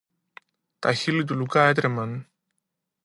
Τα χείλη του Λουκά έτρεμαν